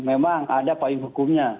memang ada paling hukumnya